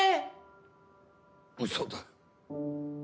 嘘だ。